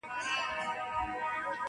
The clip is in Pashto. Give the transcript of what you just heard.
پلار له سترګو ځان پټوي,